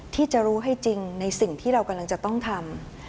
ที่จะรู้ให้จริงในสิ่งที่เรากำลังจะต้องทำ